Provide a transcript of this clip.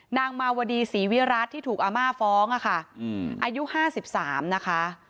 นางมาวดีศรีวิรัติที่ถูกอาม่าฟ้องอะค่ะอายุ๕๓นะคะ